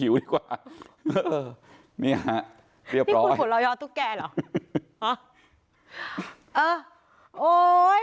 อยู่ดีกว่าเนี้ยฮะเรียบร้อยนี่คุณขุนเรายอดตุ๊กแก่เหรอฮะเออโอ้ย